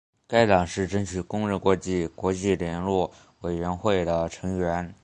该党是争取工人国际国际联络委员会的成员。